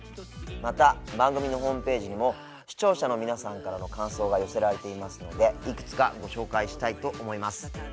また番組のホームページにも視聴者の皆さんからの感想が寄せられていますのでいくつかご紹介したいと思います。